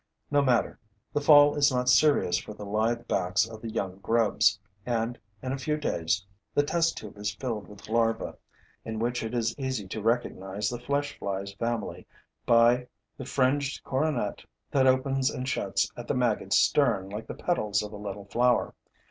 No matter: the fall is not serious for the lithe backs of the young grubs; and, in a few days, the test tube is filled with larvae, in which it is easy to recognize the flesh fly's family by the fringed coronet that opens and shuts at the maggot's stern like the petals of a little flower.